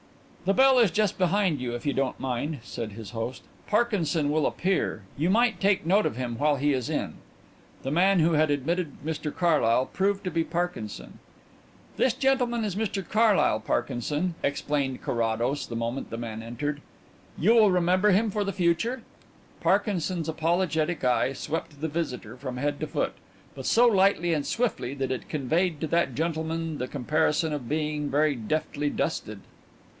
"The bell is just behind you, if you don't mind," said his host. "Parkinson will appear. You might take note of him while he is in." The man who had admitted Mr Carlyle proved to be Parkinson. "This gentleman is Mr Carlyle, Parkinson," explained Carrados the moment the man entered. "You will remember him for the future?" Parkinson's apologetic eye swept the visitor from head to foot, but so lightly and swiftly that it conveyed to that gentleman the comparison of being very deftly dusted.